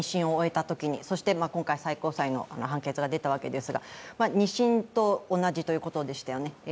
そして最高裁の判決が出たわけですが、２審と同じということでしたよね